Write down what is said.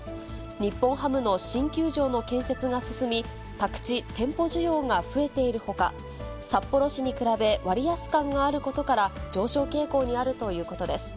日本ハムの新球場の建設が進み、宅地、店舗需要が増えているほか、札幌市に比べ、割安感があることから上昇傾向にあるということです。